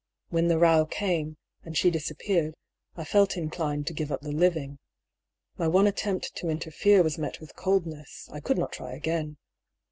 When the row came, and she dis appeared, I felt inclined to give up the living. My one attempt to interfere was met with coldness; I could not try again.